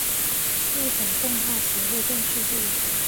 日本动画协会正式会员。